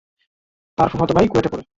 তার ফুফাতো ভাই কুয়েটে পড়ে।